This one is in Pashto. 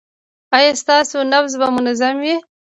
ایا ستاسو نبض به منظم وي؟